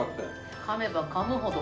かめばかむほど。